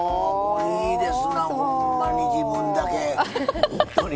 いいですなほんまに自分だけ。